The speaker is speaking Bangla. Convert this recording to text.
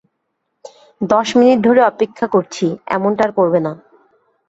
দশ মিনিট ধরে অপেক্ষা করছি, এমনটা আর করবে না।